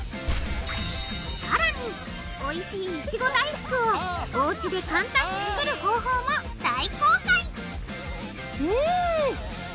さらにおいしいいちご大福をおうちで簡単に作る方法も大公開！